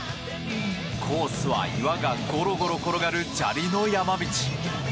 コースは、岩がゴロゴロ転がる砂利の山道。